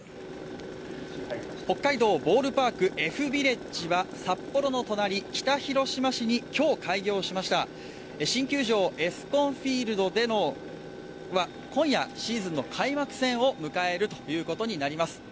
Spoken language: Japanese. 北海道ボールパークＦビレッジは、札幌の隣、北広島市に今日開業しました新球場ＥＳＣＯＮＦＩＥＬＤでの今夜シーズンの開幕戦を迎えるということになります。